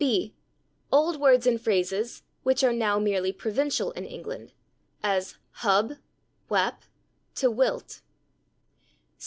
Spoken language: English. b. Old words and phrases "which are now merely provincial in England," as /hub/, /whap/ (?), /to wilt